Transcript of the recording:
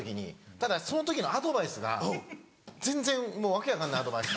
ただその時のアドバイスが全然訳分かんないアドバイス。